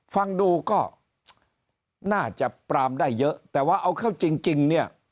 ฟังดูก็น่าจะปรามได้เยอะแต่ว่าเอาเข้าจริงเนี่ย